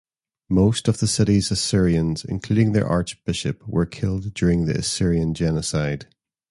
Most of the city's Assyrians, including their archbishop were killed during the Assyrian Genocide.